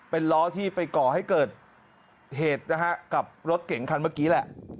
เป็นล้อที่ไปก่อให้เกิดเหตุนะฮะกับรถเก่งคันเมื่อกี้แหละ